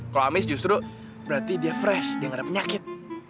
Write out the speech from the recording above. kalau amis justru berarti dia fresh dia nggak ada penyakit